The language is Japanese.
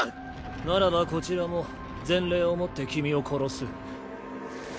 ならばこちらも全霊をもって君を殺す。